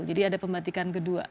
jadi ada pembatikan kedua